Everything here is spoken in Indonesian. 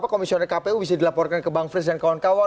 komisioner kpu bisa dilaporkan ke bang frits dan kawan kawan